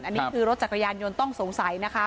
อันนี้คือรถจักรยานยนต์ต้องสงสัยนะคะ